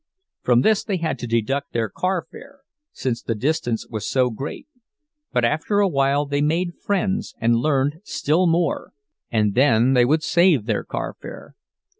From this they had to deduct their carfare, since the distance was so great; but after a while they made friends, and learned still more, and then they would save their carfare.